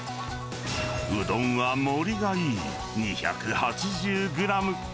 うどんは盛りがいい２８０グラム。